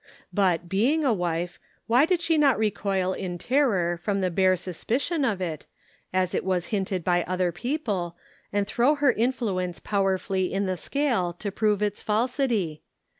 But being a wife, why did she not recoil in terror from the bare suspicion of it, as it was hinted by other people, and throw her influence powerfully in the scale to prove its falsity